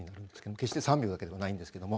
決して３秒だけではないんですが。